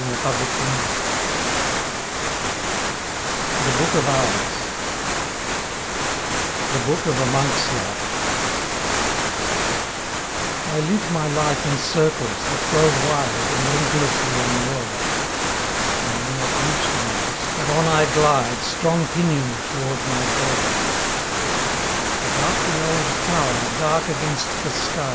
^%:^% 49 THE BOOK OF HOURS The Book of a Mon}{s Life I live my life in circles that grow wide And endlessly unroll, I may not reach the last, but on I glide Strong pinioned toward my goal. About the old tower, dark against the sky.